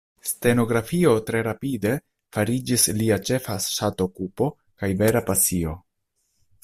Stenografio tre rapide fariĝis lia ĉefa ŝatokupo kaj vera pasio.